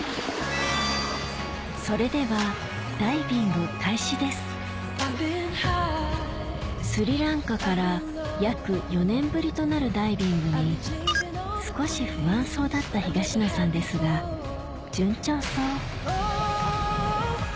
それではスリランカから約４年ぶりとなるダイビングに少し不安そうだった東野さんですが順調そう